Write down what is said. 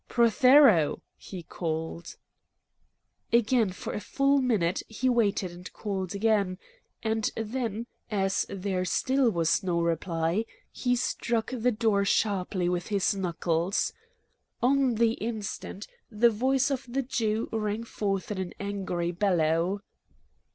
"Prothero!" he called. Again for a full minute he waited and again called, and then, as there still was no reply, he struck the door sharply with his knuckles. On the instant the voice of the Jew rang forth in an angry bellow.